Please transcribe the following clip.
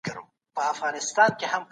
ټيټې تکنالوژي د هيواد پرمختګ ورو کړ.